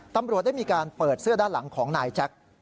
ตำรวจได้มีการเปิดเสื้อด้านหลังของนายแจ็ค